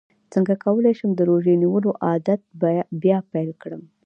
څنګه کولی شم د روژې نیولو عادت بیا پیل کړم